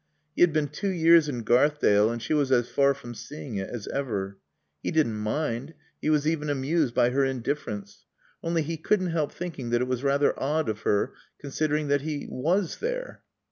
He had been two years in Garthdale and she was as far from seeing it as ever. He didn't mind; he was even amused by her indifference, only he couldn't help thinking that it was rather odd of her, considering that he was there.